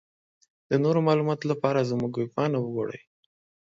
د نورو معلوماتو لپاره زمونږ ويبپاڼه وګورٸ.